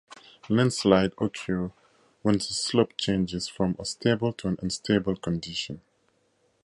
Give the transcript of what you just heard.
Landslides occur when the slope changes from a stable to an unstable condition.